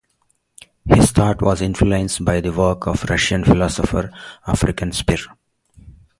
His thought was influenced by the work of the Russian philosopher African Spir.